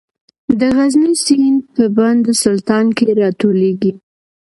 د غزني سیند په بند سلطان کې راټولیږي